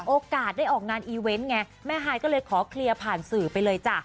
โอกาสได้ออกงานอีเวนต์ไงแม่ฮายก็เลยขอเคลียร์ผ่านสื่อไปเลยจ้ะ